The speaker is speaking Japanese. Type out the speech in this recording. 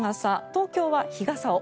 東京は日傘を。